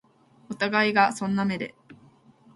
お互いがそんな目で